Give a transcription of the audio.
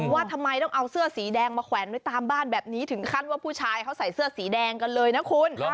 ว่าทำไมต้องเอาเสื้อสีแดงมาแขวนไว้ตามบ้านแบบนี้ถึงขั้นว่าผู้ชายเขาใส่เสื้อสีแดงกันเลยนะคุณ